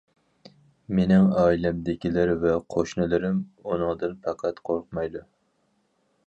مېنىڭ ئائىلەمدىكىلەر ۋە قوشنىلىرىم ئۇنىڭدىن پەقەت قورقمايدۇ.